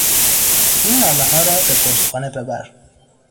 این نامهها را به پستخانه ببر.